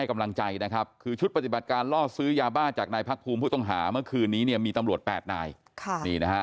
ไม่ลืมค่ะเราก็จะเลี้ยงลูกสองคนนี้ให้ดี